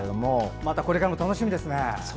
またこれからも楽しみですね。